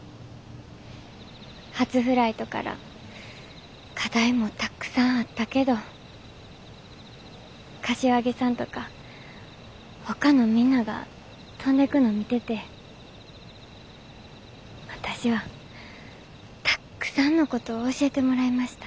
初フライトから課題もたくさんあったけど柏木さんとかほかのみんなが飛んでくの見てて私はたっくさんのことを教えてもらいました。